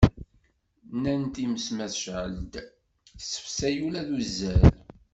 Nnan times ma tecɛel-d, tessefsay ula d uzzal.